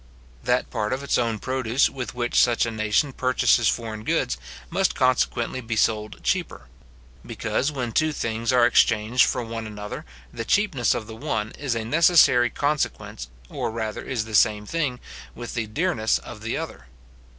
That part of its own produce with which such a nation purchases foreign goods, must consequently be sold cheaper; because, when two things are exchanged for one another, the cheapness of the one is a necessary consequence, or rather is the same thing, with the dearness of the other.